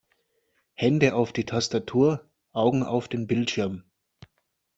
Hände auf die Tastatur, Augen auf den Bildschirm!